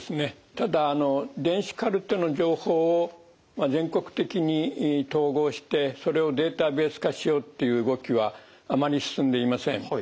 ただ電子カルテの情報を全国的に統合してそれをデータベース化しようっていう動きはあまり進んでいません。